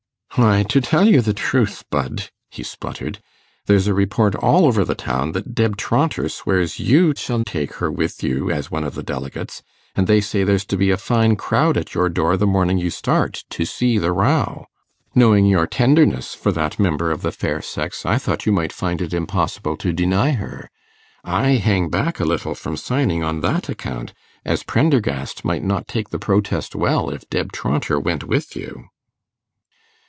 'Why, to tell you the truth, Budd,' he spluttered, 'there's a report all over the town that Deb Traunter swears you shall take her with you as one of the delegates, and they say there's to be a fine crowd at your door the morning you start, to see the row. Knowing your tenderness for that member of the fair sex, I thought you might find it impossible to deny her. I hang back a little from signing on that account, as Prendergast might not take the protest well if Deb Traunter went with you.